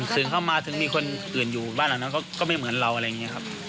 ซึ้งเข้ามาซึ้งมีคนอื่นอยู่บ้านหลังนั้นก็ไม่เหมือนเรา